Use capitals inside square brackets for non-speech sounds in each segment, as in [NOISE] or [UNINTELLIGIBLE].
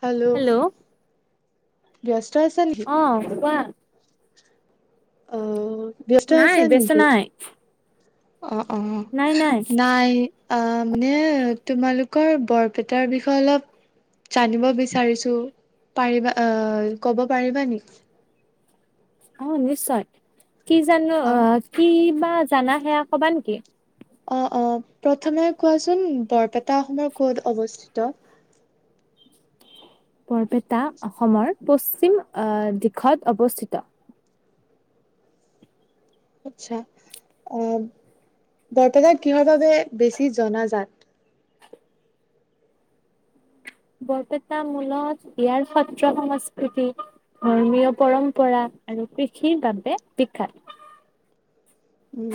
Hello? Yes অঁ কোৱা। অহ ব্যস্ত নাই আছে ব্যস্ত নেকি? নাই অঁ অঁ নাই, আ মানে তোমালোকৰ বৰপেটাৰ বিষয়ে অলপ জানিব বিচাৰিছো, পাৰিবা আ ক'ব পাৰিবা নেকি? অ, নিশ্চয়। কি জানো অ, কি? কিবা জানা সেয়া কবা নেকি? অ অ প্ৰথমে কোৱা চো কোন, বৰপেটা অসমৰ ক'ত অৱস্থিত? বৰপেটা অসমৰ পশ্চিম আহ দিশত অৱস্থিত। আচ্ছা। আহ, বৰপেটা কিহৰ বাবে বেছি জনাজাত? বৰপেটা মূলত ইয়াৰ সত্ৰ সংস্কৃতি, ধৰ্মীয় পৰম্পৰা আৰু কৃষিৰ বাবে বিখ্যাত। উ,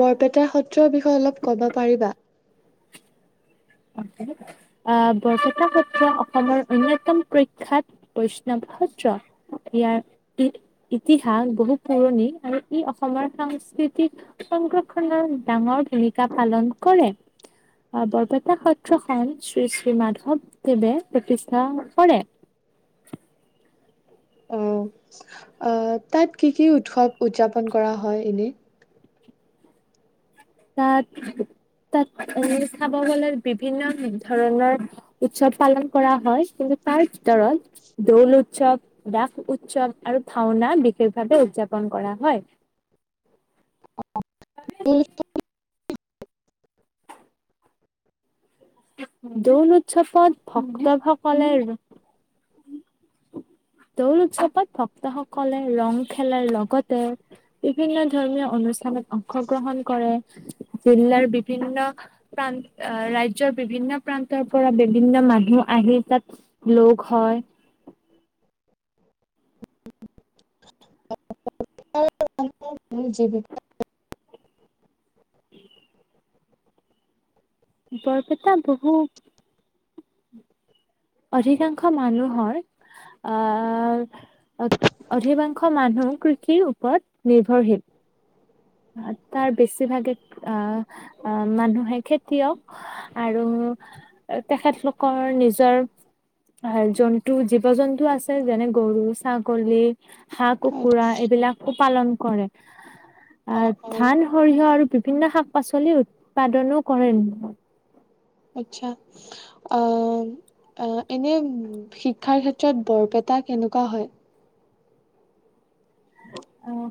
বৰপেটা সত্ৰৰ বিষয়ে অলপ ক'ব পাৰিবা? আহ বৰপেটা সত্ৰ অসমৰ অন্যতম প্ৰখ্যাত বৈষ্ণৱ সত্ৰ। ইয়াৰ ই-ইতিহাস বহু পুৰণি আৰু ই অসমৰ সাংস্কৃতিক সংৰক্ষণৰ ডাঙৰ ভূমিকা পালন কৰে। অহ বৰপেটা সত্ৰখন শ্ৰী শ্ৰী মাধৱদেৱে প্ৰতিষ্ঠা কৰে। অহ, আহ তাত কি কি উৎসৱ উদযাপন কৰা হয় এনে? তাত তাত, উ চাব গলে বিভিন্ন ধৰণৰ উৎসৱ পালন কৰা হয় কিন্তু তাৰ ভিতৰত দৌল উৎসৱ, ৰাস উৎসৱ আৰু ভাওনা বিশেষভাৱে উদযাপন কৰা হয়। অ [UNINTELLIGIBLE] দৌল উৎসৱত ভক্তসকলে। দৌল উৎসৱত ভক্তসকলে ৰং খেলাৰ লগতে বিভিন্ন ধৰ্মীয় অনুষ্ঠানত অংশগ্ৰহণ কৰে, জিলাৰ বিভিন্ন প্ৰান ৰাই ৰাজ্যৰ বিভিন্ন প্ৰান্তৰ পৰা বিভিন্ন মানুহ আহি তাত লগ হয়। [UNINTELLIGIBLE] জিৱীক বৰপেটা বহু অধিকাংশ মানুহৰ আহ, অ-অধিবাং খ মানুহ, কৃষিও ওপৰত নিৰ্ভৰশীল। তাৰ বেছিভাগে আহ মানুহে খেতিয়ক আৰু তেখেতলোকৰ নিজৰ জন্তু জীৱ-জন্তু আছে যেনে গৰু, ছাগলী হাঁহ, কুকুৰা, এইবিলাকো পালন কৰে। আহ অ', অ', ধান, সৰিয়হ আৰু বিভিন্ন শাক-পাচলিৰ উৎপাদনো কৰে। আচ্ছা, আহ আ এনে শিক্ষাৰ ক্ষেত্ৰত বৰপেটা কেনেকুৱা হয়? অঁ,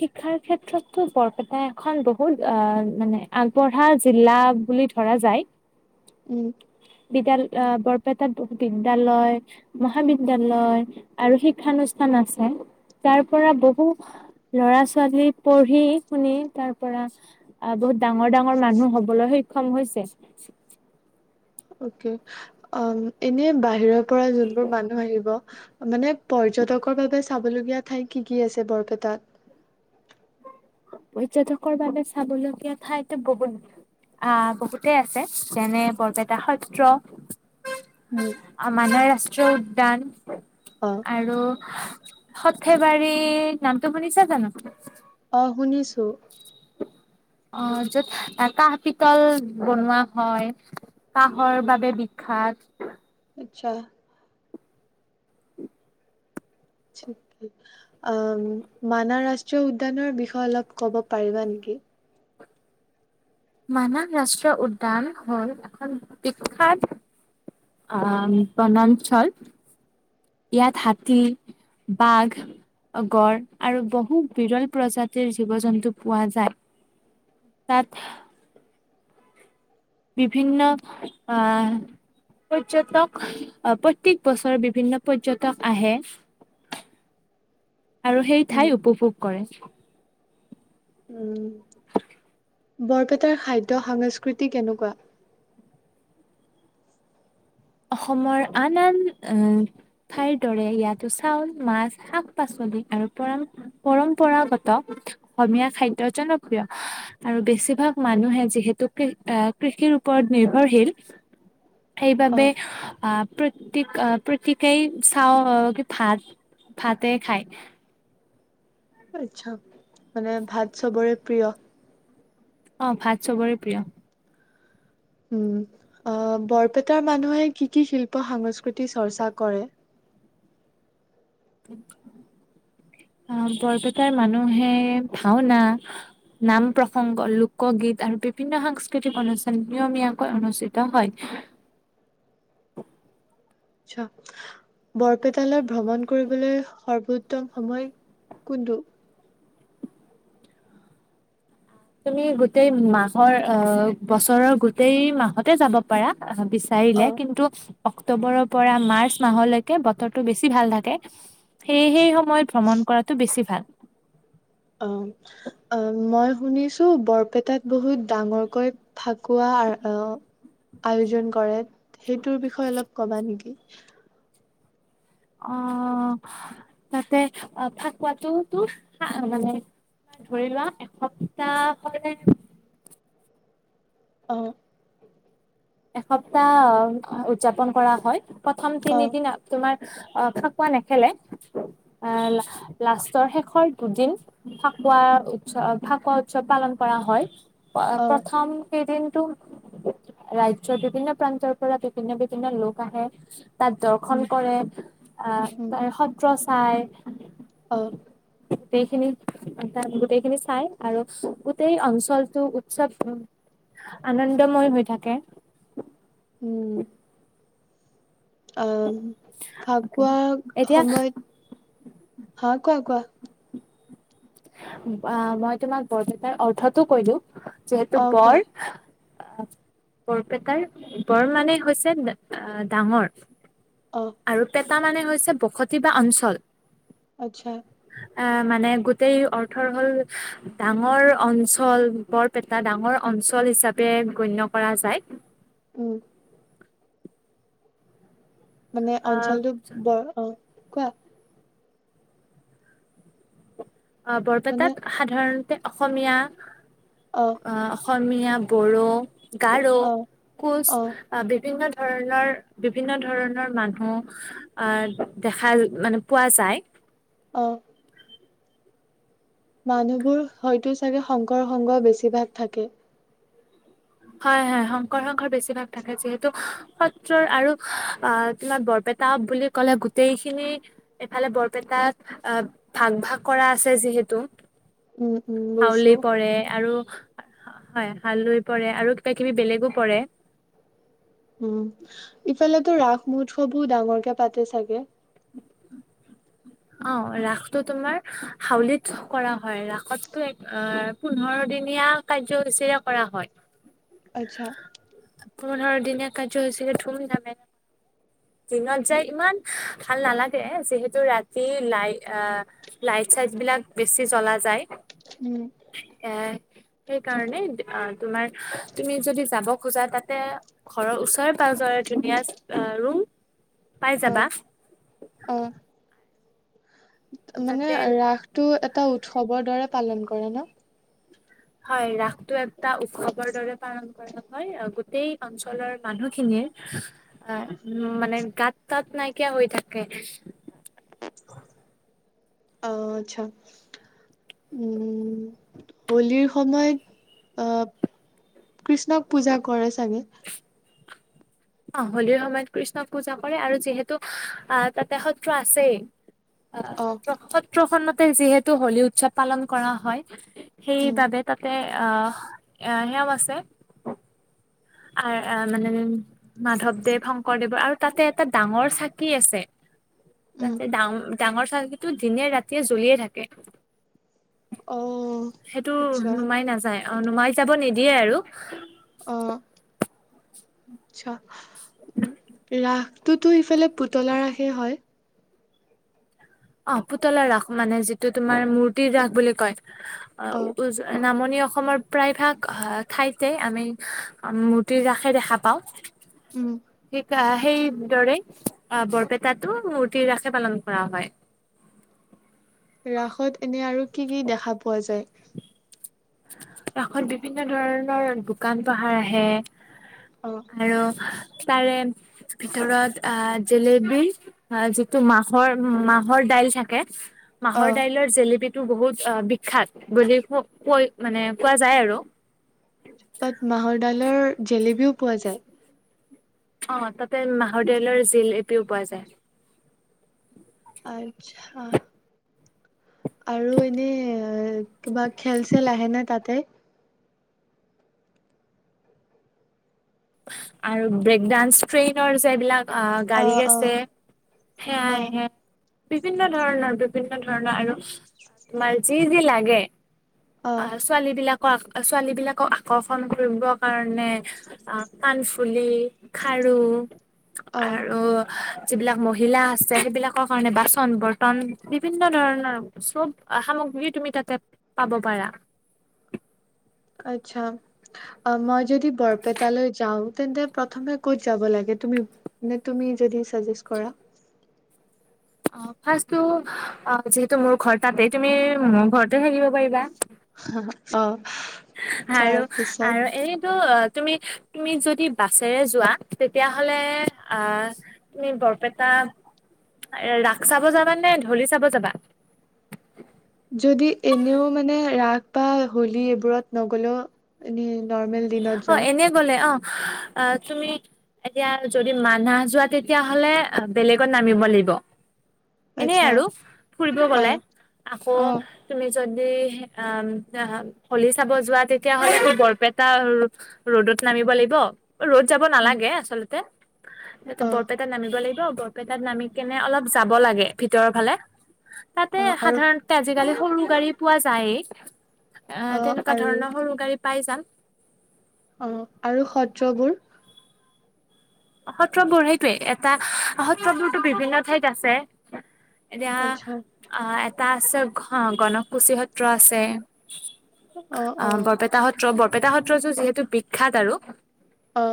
শিক্ষাৰ ক্ষেত্ৰতো বৰপেটা এখন বহুত আহ মানে আগবঢ়া জিলা বুলি ধৰা যায়। উম। বৰপেটাত বহুত বিদ্যালয়, মহাবিদ্যালয় আৰু শিক্ষা অনুষ্ঠান আছে। তাৰ পৰা বহু লৰা-ছোৱালী পঢ়ি শুনি তাৰ পৰা, আহ বহুত ডাঙৰ ডাঙৰ মানুহ হবলৈ সক্ষম হৈছে। অকে, অঁ এনে বাহিৰত পৰা যোনবোৰ মানুহ আহিব মানে পৰ্যটকৰ বাবে চাবলগীয়া ঠাই কি কি আছে বৰপেটাত? পৰ্যটকৰ বাবে চাবলগীয়া ঠাইতো বহুত, আহ বহুতেই আছে যেনে বৰপেটা সত্ৰ উম। মানাহ ৰাষ্ট্ৰীয় উদ্যান অ', আৰু হৰ্থেবাৰী নামটো শুনিছা জানো অ', শুনিছো অ য'ত এটা হাতী কল বনোৱা হয় কাঁহৰ বাবে বিখ্যাত আচ্ছা মানাহ ৰাষ্ট্ৰীয় উদ্যানৰ বিষয়ে অলপ ক'ব পাৰিবা নেকি মানাহ ৰাষ্ট্ৰীয় উদ্যান হল এখন বিখ্যাত আহ বনাঞ্চল ইয়াত হাতী, বাঘ, গড় আৰু বহু বিৰল প্ৰজাতিৰ জীৱ জন্তু পোৱা যায় তাত বিভিন্ন আহ পৰ্যটক প্ৰতি বছৰে বিভিন্ন পৰ্যটক আহে। আৰু সেই উম। ঠাই উপভোগ। কৰে। ওম! বৰপেটাৰ খাদ্য সংস্কৃতি কেনেকুৱা? অসমৰ আন আন ঠাইৰ দৰে ইয়াতো চাউল, মাছ, শাক-পাচলি আৰু পৰম পৰম্পৰাগত অসমীয়া খাদ্য জনপ্ৰিয় আৰু বেছিভাগ মানুহে যিহেতু আহ কৃষিৰ ওপৰত নিৰ্ভৰশীল। সেইবাবে। অ', আহ প্ৰতিক আহ প্ৰতিকেই চাওঁ ভাত ভাতে খায়। আচ্ছা। মানে ভাত চবৰে প্ৰিয়। অ ভাত চবৰে প্ৰিয়। উম আহ বৰপেটাৰ মানুহে কি কি শিল্প সংস্কৃতি চৰ্চা কৰে? আহ বৰপেটাৰ মানুহে ভাওনা, নাম প্ৰসংগ, লোকগীত আৰু বিভিন্ন সাংস্কৃতিক অনুষ্ঠান নিয়মীয়াকৈ অনুষ্ঠিত হয়। আচ্ছা বৰপেটালৈ ভ্ৰমণ কৰিবলৈ সৰ্বোত্তম সময় কোনটো? তুমি গোটেই মাহৰ অ বছৰৰ গোটেই মাহতে যাব পাৰা। অ বিচাৰিলে। কিন্তু, অক্টোবৰ পৰা মাৰ্চ মাহলৈকে বতৰটো বেছি ভাল থাকে। সেই সময় মই ভ্ৰমণ কৰাটো বেছি ভাল। অ আহ! মই শুনিছো বৰপেটাত বহুত ডাঙৰকৈ ফাকুৱা আয়োজন কৰে, সেইটোৰ বিষয়ে অলপ ক'বা নেকি? অ তাতে অ ফাকুৱটো তো মানে ধৰি লোৱা এসপ্তাহ হলে। অ এসপ্তাহ উদযাপন কৰা হয়। প্ৰথম অ তিনি দিনত তোমাৰ। অ ফাকুৱা নেখেলে। আহ লাষ্টৰ শেষৰ দুদিন ফাকুৱা উৎসৱ ফাকুৱা উৎসৱ পালন কৰা হয়। অ প্ৰথম কেইদিন। তো ৰাইট। চত বিভিন্ন প্ৰান্তৰ পৰা বিভিন্ন বিভিন্ন লোক আহে। তাত দৰ্শন উম কৰে। আহ তাৰ সদ্ৰচ ঠাই হ গোটেইখিনি তাত গোটেইখিনি চাই আৰু গোটেই অঞ্চলটো উৎসৱ আনন্দময় হৈ থাকে। উম! অ ফাকুৱা এতিয়া সময়ত হা কোৱা কোৱা! অ মই তোমাক বৰপেটাৰ অৰ্থতো কৈ দিওঁ। যিহেতু অ কোৱা বৰ! আহ্! বৰপেটাৰ বৰ মানে হৈছে আহ্ ডাঙৰ। অ আৰু পেত। টা মানে হৈছে বসতি বা অঞ্চল। আচ্ছা। আ মানে গোট। গোটেই অৰ্থৰ হ'ল ডাঙৰ অঞ্চল। বৰপেটা ডাঙৰ অঞ্চল হিচাপে গণ্য কৰা যায়। উম মানে আহ অঞ্চলটো বৰ অ কোৱা অ মানে বৰপেটাত সাধাৰণ অসমীয়া অ অঁ অসমীয়া বড়ো গাডো অ কোচ অ বিভিন্ন ধৰণৰ বিভিন্ন ধৰণৰ মানুহ আহ দেখা মানে পোৱা যায়। অ! মানুহবোৰ হয়তো চাগে শংকৰ সংঘ বেছিভাগ থাকে। হয় হয় শংকৰ সংঘৰ বেছিভাগ থাকে যিহেতু সত্ৰৰ আৰু আহ তোমাৰ বৰপেটা বুলি ক'লে গোটেইখিনি এফালে বৰপেটাত আহ ভাগ ভাগ কৰা আছে যিহেতু। উম উম হাউলি বুজিছো পৰে আৰু! হয় হালৈ। কৰে আৰু কিবা কিবি বেলেগো পৰে। উম ই! সিফালেতো ৰাস মহোৎসৱবো ডাঙৰকে পাতে চাগে। অ ৰাসটো তোমাৰ হাউলিত কৰা হয়, ৰাসতো এক পোন্ধৰ দিনীয়া কাৰ্যসূচীৰে কৰা হয়। আচ্ছা। পোন্ধৰদিনীয়া কাৰ্যসূচীৰে ধুম ধামেৰে। দিনত যাই ইমান ভাল নালাগে, যিহেতু ৰাতি লাই লাইট চাইট বিলাক বেছি জলা যায়। উম এ। সেইকাৰণে তোমাৰ, তুমি যদি যাব খোজা তাতে ঘৰৰ ওচৰে পাজৰে ধুনীয়া ৰুম। পাই যাবা আহ্ আহ্! মানে তাতে ৰাসটো এটা। উৎসৱৰ দৰে পালন কৰে ন? হয় ৰাসটো। ৰাসটো উৎসৱৰ দৰে পালন কৰা। হয়, গোটেই অঞ্চলৰ মানুহখিনিৰ উ মানে গাত তাত নাইকিয়া হৈ থাকে। আহ্ আচ্ছা! উম হোলীৰ সময়ত আহ কৃষ্ণক পূজা কৰে চাগে? অ হোলীৰ সময়ত কৃষ্ণক পূজা কৰে আৰু যিহেতু আহ তাতে সত্ৰ আছেই। অ সত সত্ৰখন যিহেতু হোলী উৎসৱ পালন কৰা হয়। উম সেইবাবে তাতে অহ সেয়াও আছে। আ মানে মাধৱদেৱ, শংকৰদেৱৰ আৰু তাতে এটা ডাঙৰ চাকি আছে। উম ততে ডাঙৰ ডাঙৰ চাকিটো দিনে ৰাতিয়ে জ্বলিয়ে থাকে। অ সেইটো আচ্ছা নুমাই নাযায়। অ নুমাই যাব নিদিয়ে আৰু। অ [UNINTELLIGIBLE] ৰাস তো তো ইফালে পুতলা ৰাসে হয়। অ পুতলা ৰাস মানে যিটো তোমাৰ মূৰ্তিৰ ৰাস বুলি কয়। অ নামনি অসমৰ প্ৰায়ভাগ ঠাইতে আমি মূৰ্তি ৰাস দেখা পাওঁ। উম হিকা সেই দৰে বৰপেটাতো মূৰ্তি ৰাশে পালন কৰা হয়। ৰাসত এনে আৰু কি কি দেখা পোৱা যায়? কাষত বিভিন্ন ধৰণৰ দোকান পাহাৰ আহে। অ আৰু তাৰে ভিতৰত আহ জেলেবি যিটো মাহৰ মাহৰ দাইল থাকে অ মাহৰ দাইলৰ জেলেপি টো বহুত অ বিখ্যাত বুলি ক কৈ মানে কোৱা যায় আৰু। তাত মাহৰ ডালৰ জেলেপিও পোৱা যায়। অ তাতে মাহৰ দাইলৰ জিলেপিউ পোৱা যায়। আচ্ছা। আৰু এনে কিবা খেল চেল আহ ন তাতে? আৰু ব্ৰেকডানস ট্ৰেইনৰ যে এ বিলাক অ গাড়ী আছে অ সেয়াহে বিভিন্ন ধৰণৰ বিভিন্ন ধৰণৰ আৰু তোমাৰ যি যি লাগে অ ছোৱালী বিলাক ছোৱালী বিলাকক আকৰ্ষণ কৰিব কাৰণে কাণফুলি, খাৰু অ আৰু যিবিলাক মহিলা আছে সেইবিলাকৰ কাৰণে বাচন বৰ্তন বিভিন্ন ধৰণৰ চব সামগ্ৰী তুমি তাতে পাব পাৰা আচ্ছা মই যদি বৰপেটালৈ যাও তেন্তে প্ৰথমে ক'ত যাব লাগে তুমি তুমি যদি চাজেচ কৰা। অ ফাৰ্ষ্টটো যিহেতু মোৰ ঘৰ তাতে তুমি মোৰ ঘৰতে থাকিব পাৰিবা অ আৰু তাৰ পিছত আৰু এইটো তুমি তুমি যদি বাছেৰে যোৱা তেতিয়াহ'লে আহ তুমি বৰপেটা ৰাস চাব যাবা নে ধলি চাব যাবা। যদি এনেও মানে ৰাস বা হোলী এইবোৰত নগলেও এনেই নৰ্মেল দিনত অ যাওঁ এনে গ'লে অ তুমি এতিয়া যদি মানাহ যোৱা তেতিয়াাহ'লে বেলেগত নামিব লাগিব। এনে আচ্ছা আৰু ফুৰিব অ গলে আকৌ অ তুমি যদি অ হলি চাব যোৱা তেতিয়াহ'লে আ বৰপেটা টা ৰ'দত নামিব লাগিব ৰ'দ যাব উম নালাগে আচলতে ত অ বৰপেটাত নামিব লাগিব। বৰপেটাত নামি কেনে অলপ যাব লাগে ভিতৰৰ ফালে। তাতে অ আৰু সাধাৰণতে আজিকালি সৰু গাড়ী পোৱা যায়েই। অ তেনেকুৱা ধৰণৰ সৰু গাড়ী পাই যাম অ আৰু সত্ৰবোৰ সত্ৰবোৰ সেইটোয়েই এটা সত্ৰবোৰতো বিভিন্ন ঠাইত আছে। এতিয়া আচ্ছা আ এতা আছে ঘ গণক কোছি সত্ৰ আছে অ বৰপেটা সত্ৰ বৰ পেটা সত্ৰটো যিহেতু বিখ্যাত আৰু অ